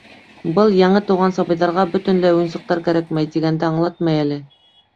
Был, яңы тыуған сабыйҙарға бөтөнләй уйынсыҡтар кәрәкмәй, тигәнде аңлатмай әле.